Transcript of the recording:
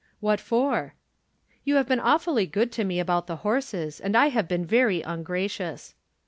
"What for?" "You have been awfully good to me about the horses, and I have been very ungracious."